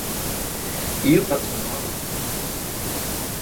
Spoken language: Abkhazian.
Иҟаӡоу малуп ҭынхас!